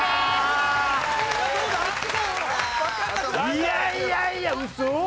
いやいやいやウソ！？